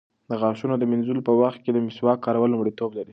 د غاښونو د مینځلو په وخت کې د مسواک کارول لومړیتوب لري.